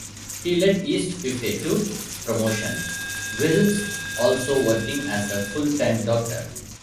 He led East Fife to promotion, whilst also working as a full-time doctor.